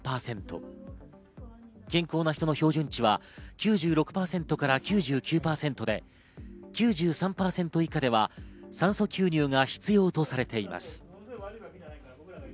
健康な人の標準値は９６％から９９％で、９３％以下では酸素吸入が必要とされています。